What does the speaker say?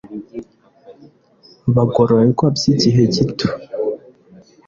bagororwa by igihe gito